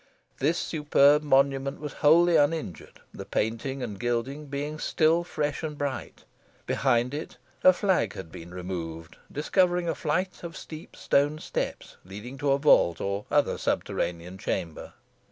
This superb monument was wholly uninjured, the painting and gilding being still fresh and bright. Behind it a flag had been removed, discovering a flight of steep stone steps, leading to a vault, or other subterranean chamber.